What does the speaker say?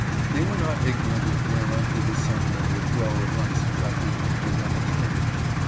They were not ignorant of whereunto this sentiment would grow if unsubjected and unextinguished.